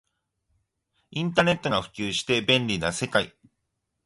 インターネットが普及して便利な世界